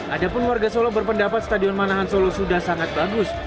adapun warga solo berpendapat stadion manahan solo sudah sangat bagus